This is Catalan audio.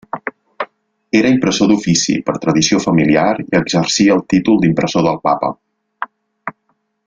Era impressor d'ofici, per tradició familiar, i exercia el títol d'impressor del papa.